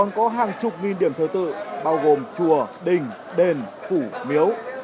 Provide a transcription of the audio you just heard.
nguyên điểm thứ tự bao gồm chùa đình đền phủ miếu